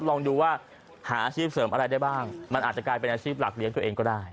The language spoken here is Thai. ลองดูว่าหาอาชีพเสริมอะไรได้บ้างมันอาจจะกลายเป็นอาชีพหลักเลี้ยงตัวเองก็ได้